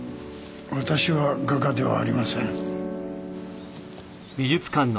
私は画家ではありません。